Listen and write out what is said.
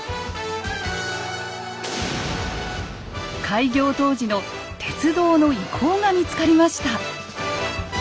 開業当時の鉄道の遺構が見つかりました。